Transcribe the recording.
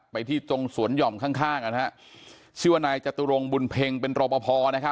ไปที่สวนหย่อมข้างเรื่องนี้ครับชื่อว่านายจตุรงบุญเพ็งเป็นรบพอ